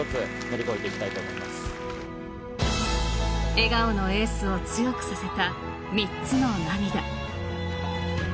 笑顔のエースを強くさせた３つの涙。